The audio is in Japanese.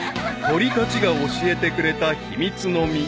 ［鳥たちが教えてくれた秘密の実］